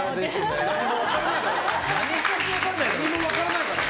何も分からないだろ！